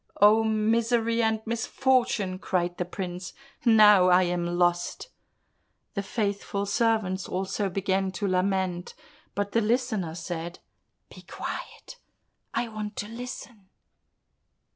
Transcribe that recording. "Oh, misery and misfortune!" cried the prince, "now I am lost!" The faithful servants also began to lament, but the Listener said, "Be quiet, I want to listen."